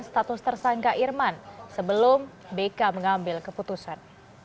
status tersangka irman sebelum bk mengambil keputusan